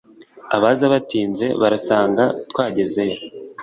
abaza batinze baradusanga twagezeyo